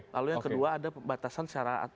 lalu yang kedua ada pembatasan secara